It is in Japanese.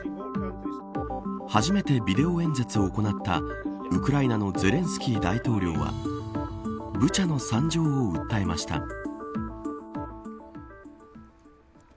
初めてビデオ演説を行ったウクライナのゼレンスキー大統領はブチャの惨状を訴えました。